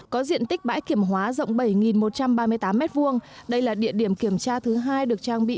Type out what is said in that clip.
có diện tích bãi kiểm hóa rộng bảy một trăm ba mươi tám m hai đây là địa điểm kiểm tra thứ hai được trang bị